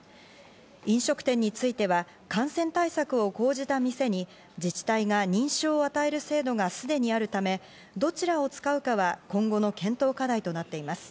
飲食店については感染対策を講じた店に自治体が認証を与える制度がすでにあるため、どちらを使うかは今後の検討課題となっています。